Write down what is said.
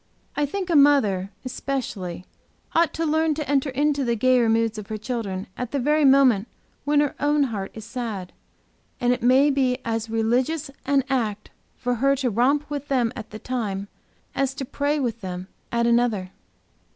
I think a mother, especially, ought to learn to enter into the gayer moods of her children at the very moment when her own heart is sad. And it may be as religious an act for her to romp with them at the time as to pray with them at another."